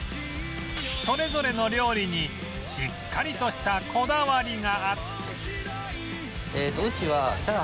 それぞれの料理にしっかりとしたこだわりがあって